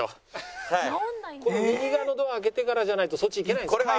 右側のドア開けてからじゃないとそっち行けないんですか？